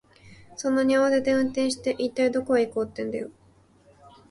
そんなに慌てて運転して、一体どこへ行こうってんだよ。